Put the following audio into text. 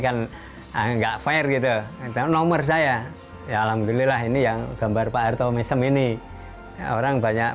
kan enggak fair gitu dan nomor saya ya alhamdulillah ini yang gambar pak arto mesem ini orang banyak